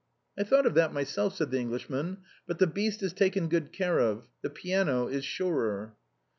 " I thought of that myself," said the Englishman ;" but the beast is taken too good care of. The piano is surer."